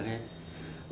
cơ quan điều tra